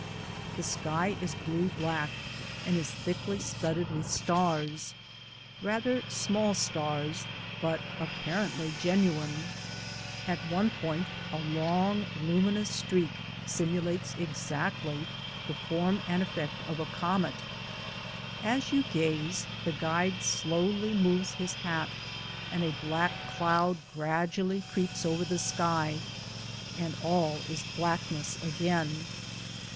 The sky is blue black and is thickly studded with stars, rather small stars, but appar ently genuine. At one point a long, luminous streak simulates exactly the form and effect of a IN MAMMOTH CAVE 247 comet. As you gaze, the guide slowly moves his hat, and a black cloud gradually creeps over the sky, and all is blackness again.